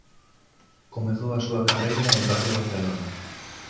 Comezou a súa carreira en Radio Barcelona.